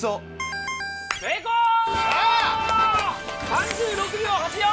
３６秒８４。